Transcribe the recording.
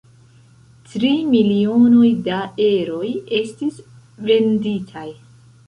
Tri milionoj da eroj estis venditaj.